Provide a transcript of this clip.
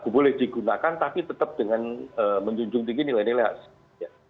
boleh digunakan tapi tetap dengan menjunjung tinggi nilai nilai aset